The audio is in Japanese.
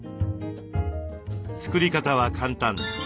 作り方は簡単。